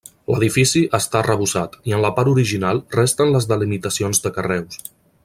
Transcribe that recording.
L'edifici està arrebossat, i en la part original resten les delimitacions de carreus.